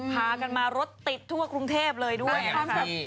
พากันมารถติดทั่วกรุงเทพเลยด้วยนะครับ